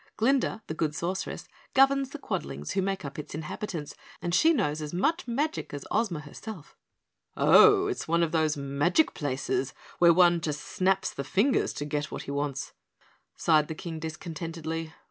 Glinda, the Good Sorceress, governs the Quadlings, who make up its inhabitants, and she knows as much magic as Ozma herself " "Oh, it's one of those magic places where one just snaps the fingers to get what he wants," sighed the King discontentedly.